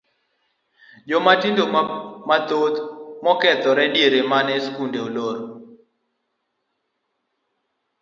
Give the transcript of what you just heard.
Jomatindo mathoth nokethore diere mane skunde olor.